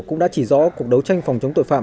cũng đã chỉ rõ cuộc đấu tranh phòng chống tội phạm